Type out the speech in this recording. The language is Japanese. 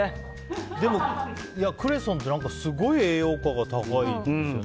でもクレソンってすごい栄養価が高いって。